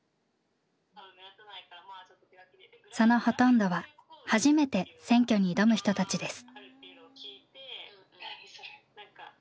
そのほとんどは初めて選挙に挑む人たちです。